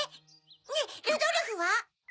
ねぇルドルフは？